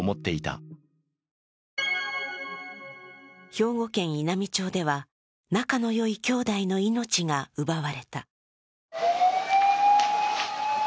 兵庫県稲美町では仲の良い兄弟の命が奪われた。